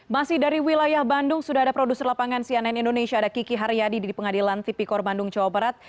masih dari wilayah bandung sudah ada produser lapangan cnn indonesia ada kiki haryadi di pengadilan tipikor bandung jawa barat